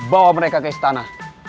bawa mereka ke istana